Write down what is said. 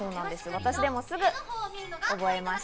私でもすぐ覚えました。